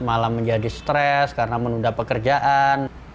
malah menjadi stres karena menunda pekerjaan